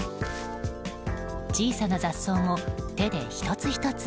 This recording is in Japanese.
小さな雑草も手で１つ１つ